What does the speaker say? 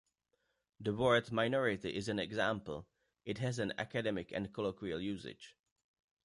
The word minority is an example; it has an academic and a colloquial usage.